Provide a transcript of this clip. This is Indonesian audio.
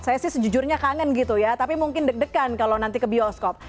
saya sih sejujurnya kangen gitu ya tapi mungkin deg degan kalau nanti ke bioskop